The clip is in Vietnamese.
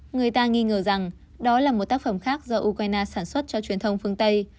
người ta nghi ngờ rằng đó là một tác phẩm khác do ukraine sản xuất cho truyền thông phương tây